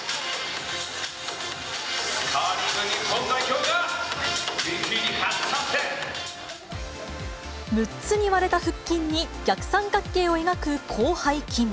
カーリング日本代表が、６つに割れた腹筋に、逆三角形を描く広背筋。